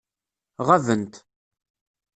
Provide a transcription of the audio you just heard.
Ɣabent.